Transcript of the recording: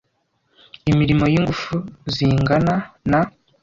imirimo yingufu zingana na